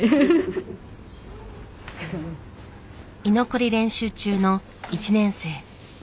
居残り練習中の１年生。